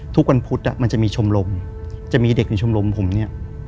ทุกวันพุธมันจะมีชมรมจะมีเด็กในชมรมผมเนี่ย